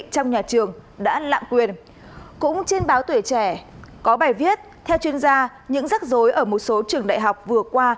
cũng trên báo tuổi trẻ có bài viết theo chuyên gia những rắc rối ở một số trường đại học vừa qua